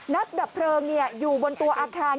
นักดับเพลิงเนี่ยอยู่บนตัวอาคาร